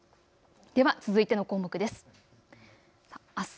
では続いての項目です。